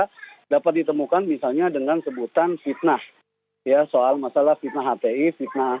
kami kira dapat ditemukan misalnya dengan sebutan fitnah ya soal masalah fitnah hti